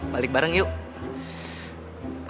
balik bareng yuk